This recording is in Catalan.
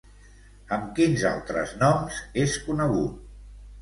Amb quins altres noms és conegut?